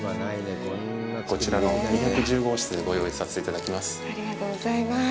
こちらの２１０号室をご用意させていただきます。